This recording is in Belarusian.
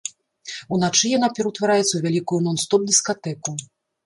Уначы яна пераўтвараецца ў вялікую нон-стоп дыскатэку!